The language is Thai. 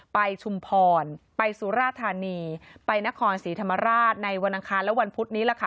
ชุมพรไปสุราธานีไปนครศรีธรรมราชในวันอังคารและวันพุธนี้ล่ะค่ะ